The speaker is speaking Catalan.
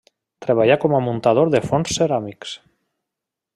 Treballà com a muntador de forns ceràmics.